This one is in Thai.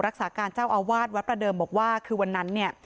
รักษาการเจ้าอาวาสวัดประเดิมบอกว่าคือวันนั้นเนี่ย